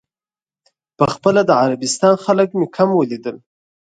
په خپله د عربستان خلک مې کم ولیدل.